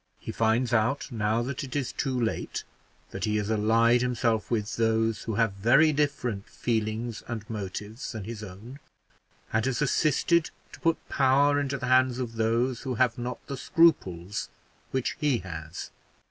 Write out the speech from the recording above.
He finds out, now that it is too late, that he has allied himself with those who have very different feelings and motives than his own, and has assisted to put power into the hands of those who have not the scruples which he has."